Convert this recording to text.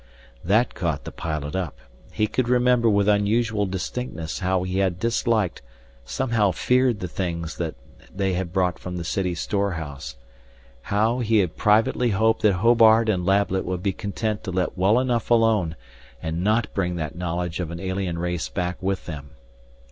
That caught the pilot up. He could remember with unusual distinctness how he had disliked, somehow feared the things they had brought from the city storehouse, how he had privately hoped that Hobart and Lablet would be content to let well enough alone and not bring that knowledge of an alien race back with them.